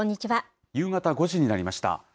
夕方５時になりました。